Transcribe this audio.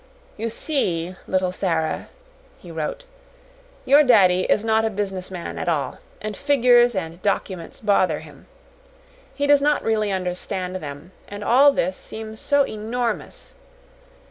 "You see, little Sara," he wrote, "your daddy is not a businessman at all, and figures and documents bother him. He does not really understand them, and all this seems so enormous.